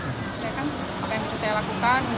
saya kan pakai yang bisa saya lakukan untuk kebaikan diri sendiri